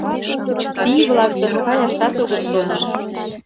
Пий-влак гын каяшат огыт шоно.